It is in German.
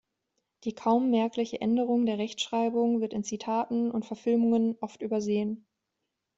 Die kaum merkliche Änderung der Rechtschreibung wird in Zitaten und Verfilmungen oft übersehen.